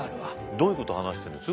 どういうこと話してるんです？